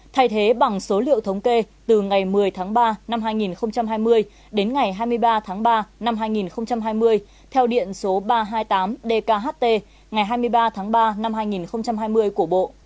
thay thế bằng số liệu thống kê từ ngày một mươi tháng ba năm hai nghìn hai mươi đến ngày hai mươi ba tháng ba năm hai nghìn hai mươi theo điện số ba trăm hai mươi tám dkht ngày hai mươi ba tháng ba năm hai nghìn hai mươi của bộ